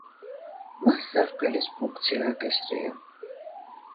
მას სარქველის ფუნქცია აკისრია.